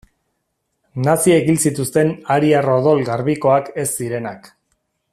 Naziek hil zituzten ariar odol garbikoak ez zirenak.